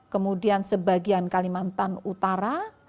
kemudian sebagian kalimantan utara